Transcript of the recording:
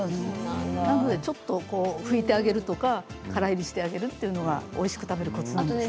なのでちょっと拭いてあげるとかからいりしてあげるというのがおいしく食べるコツなんですね。